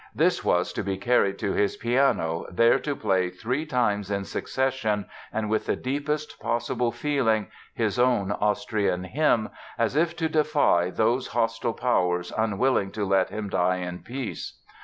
This was to be carried to his piano, there to play three times in succession and with the deepest possible feeling his own Austrian hymn, as if to defy those hostile powers unwilling to let him die in peace.